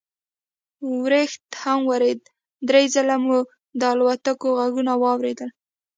ورښت هم ودرېد، درې ځله مو د الوتکو غږونه واورېدل.